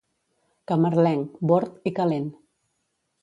Camarlenc, bord i calent.